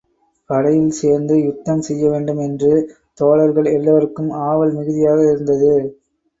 படையில் சேர்ந்து யுத்தம் செய்ய வேண்டும் என்று தோழர்கள் எல்லோருக்கும் ஆவல் மிகுதியாக இருந்தது.